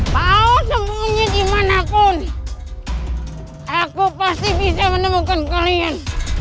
mau sembunyi dimanapun aku pasti bisa menemukan kalian